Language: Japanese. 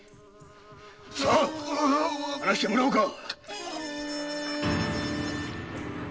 さあ話してもらおうか！